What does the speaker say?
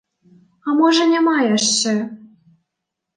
А можа, няма яшчэ.